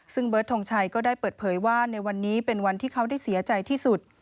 ซึ่งเบิร์ดทงชัยก็ได้เปิดเผยว่าในวันนี้เป็นวันที่เขาได้เสียใจที่สุด